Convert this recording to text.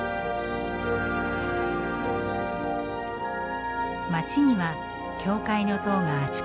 街には教会の塔があちこちにあります。